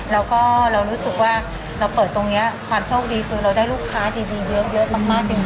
แล้วก็เรารู้สึกว่าเราเปิดตรงนี้ความโชคดีคือเราได้ลูกค้าดีเยอะมากจริง